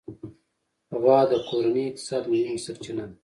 غوا د کورني اقتصاد مهمه سرچینه ده.